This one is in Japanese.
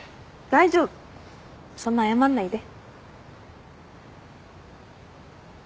大丈夫そんな謝んないで。